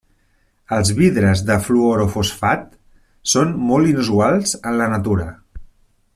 Els vidres de fluorofosfat són molt inusuals en la natura.